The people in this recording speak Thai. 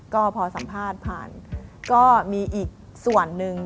ก็พอสัมภาษณ์ผ่านก็มีอีกส่วนหนึ่ง